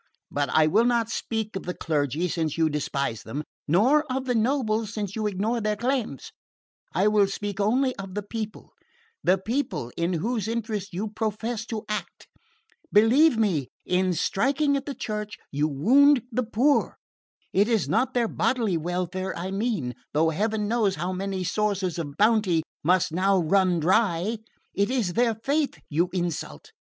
But I will not speak of the clergy, since you despise them nor of the nobles, since you ignore their claims. I will speak only of the people the people, in whose interest you profess to act. Believe me, in striking at the Church you wound the poor. It is not their bodily welfare I mean though Heaven knows how many sources of bounty must now run dry! It is their faith you insult.